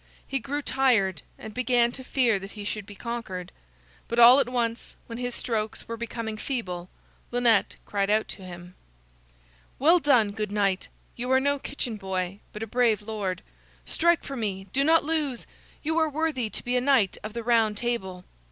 He grew tired, and began to fear that he should be conquered. But all at once, when his strokes were becoming feeble, Lynette cried out to him: "Well done, good knight! You are no kitchen boy, but a brave lord. Strike for me! Do not lose. You are worthy to be a Knight of the Round Table."